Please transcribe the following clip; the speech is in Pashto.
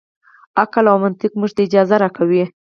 عقل او منطق موږ ته اجازه راکوي.